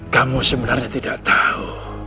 kamu sebenarnya tidak tahu